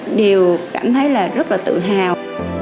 là một cái điều cảm thấy là rất là tự hào